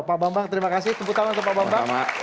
pak bambang terima kasih tepuk tangan untuk pak bambang